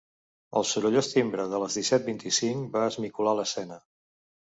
El sorollós timbre de les disset vint-i-cinc va esmicolar l'escena.